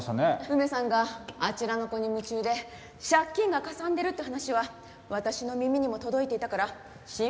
梅さんがあちらの子に夢中で借金がかさんでるって話は私の耳にも届いていたから心配で聞いてみたのよ。